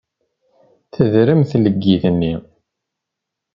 Tedrem tleggit-nni.